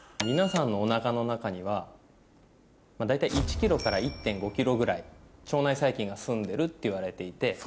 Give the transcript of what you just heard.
皆さんのお腹の中には大体１ｋｇから１．５ｋｇぐらい腸内細菌がすんでるっていわれていて。